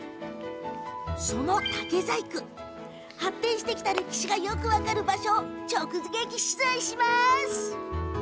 その竹細工、発展してきた歴史がよく分かる場所を直撃取材します。